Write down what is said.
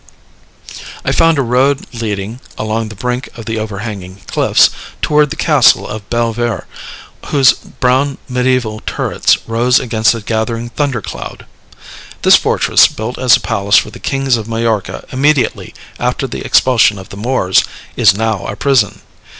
I found a road leading, along the brink of the overhanging cliffs, toward the castle of Belver, whose brown mediæval turrets rose against a gathering thunder cloud. This fortress, built as a palace for the kings of Majorca immediately after the expulsion of the Moors, is now a prison.